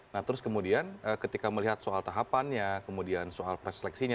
nah terus kemudian ketika melihat soal tahapannya kemudian soal pres seleksinya